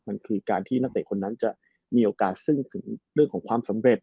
มันคือการที่นักเตะคนนั้นจะมีโอกาสซึ่งถึงเรื่องของความสำเร็จ